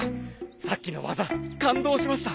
さっきの技感動しました。